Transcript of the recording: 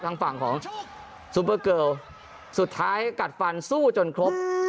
ทางฝั่งของซูเปอร์เกิลสุดท้ายกัดฟันสู้จนครบ